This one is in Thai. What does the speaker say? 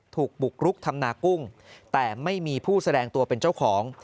บุกรุกทำนากุ้งแต่ไม่มีผู้แสดงตัวเป็นเจ้าของ